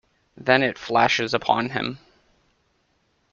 Then it flashes upon him.